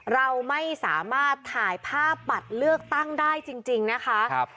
เราไม่สามารถถ่ายภาพบัตรเลือกตั้งได้จริงนะคะ